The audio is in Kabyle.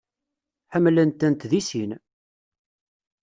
Ḥemmlent-tent deg sin.